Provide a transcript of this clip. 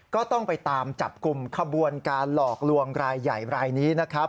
ก็ต้องไปตามจับกลุ่มขบวนการหลอกลวงรายใหญ่รายนี้นะครับ